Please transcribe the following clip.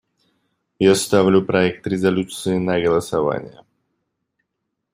Я ставлю проект резолюции на голосование.